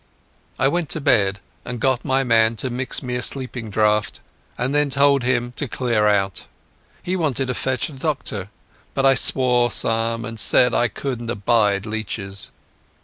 I went to bed and got my man to mix me a sleeping draught, and then told him to clear out. He wanted to fetch a doctor, but I swore some and said I couldn't abide leeches.